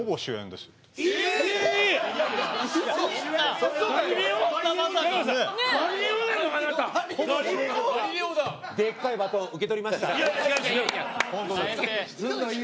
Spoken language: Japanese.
でっかいバトン受け取りました。